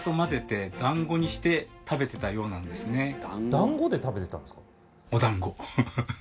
だんごで食べてたんですか？